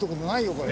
これ。